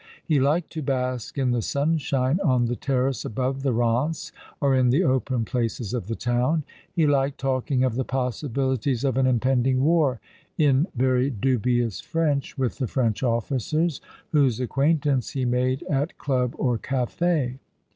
He liked to bask in the sunshine on the terrace above the Eance, or in the open places of the town. He liked talking of the possibilities of an impending war, in very dubious French, with the French officers, whose acquaintance he made at club or cafe.